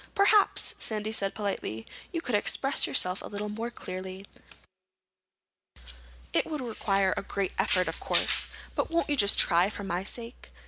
"Perhaps," Sandy said politely, "you could express yourself a little more clearly. It would require a great effort, of course, but won't you just try for my sake?"